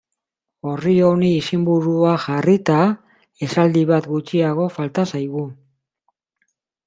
Orri honi izenburua jarrita, esaldi bat gutxiago falta zaigu.